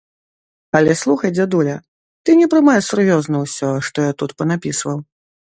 Але слухай, дзядуля, ты не прымай сур'ёзна ўсё, што я тут панапісваў.